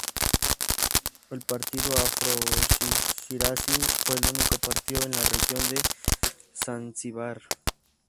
El Partido Afro-Shirazi fue el único partido en la región de Zanzibar.